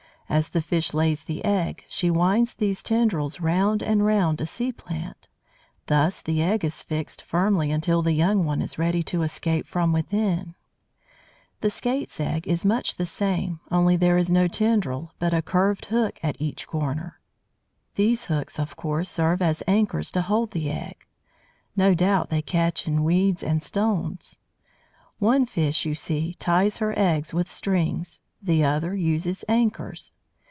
As the fish lays the egg, she winds these tendrils round and round a sea plant; thus the egg is fixed firmly until the young one is ready to escape from within (see p. 49). The Skate's egg is much the same, only there is no tendril, but a curved hook at each corner. These hooks, of course, serve as anchors to hold the egg: no doubt they catch in weeds and stones. One fish, you see, ties her eggs with strings, the other uses anchors.